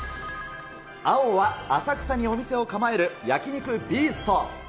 青は浅草にお店を構える焼肉ビースト。